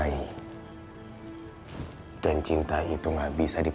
kita juga harus saling mencintai